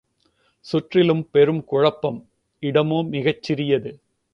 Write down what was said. சுற்றிலும் பெருங்குழப்பம், இடமோ மிகச் சிறியது.